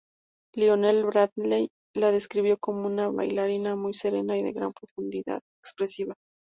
Lionel Bradley la describió como una bailarina muy serena y de gran profundidad expresiva.